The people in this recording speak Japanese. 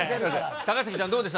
高杉さん、どうでした？